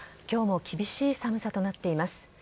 今日も厳しい寒さとなっています。